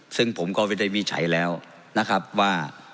ซึ่งผมก็วินิจฉัยแล้วนะครับว่า